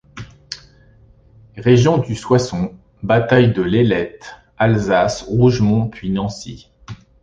Région du Soissons...Bataille de l'Ailettes...Alsace, Rougemont puis Nancy.